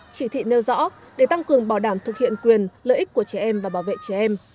chỉ thị nêu rõ để tăng cường bảo đảm thực hiện quyền lợi ích của trẻ em và bảo vệ trẻ em